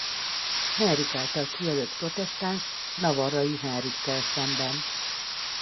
Henrik által kijelölt protestáns Navarrai Henrikkel szemben.